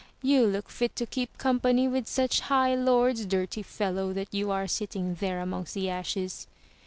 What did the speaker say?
You look fit to keep company with such high lords, dirty fellow that you are sitting there amongst the ashes.'